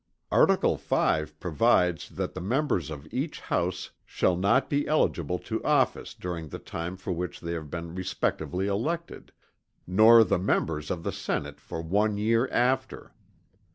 Article V provides that the members of each house shall not be eligible to office during the time for which they have been respectively elected, "nor the members of the Senate for one year after."